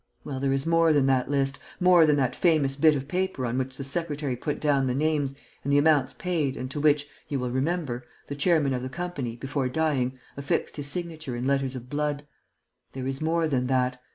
Well, there is more than that list, more than that famous bit of paper on which the secretary put down the names and the amounts paid and to which, you will remember, the chairman of the company, before dying, affixed his signature in letters of blood. There is more than that.